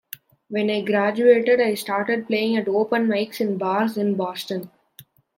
When I graduated, I started playing at open mics in bars in Boston.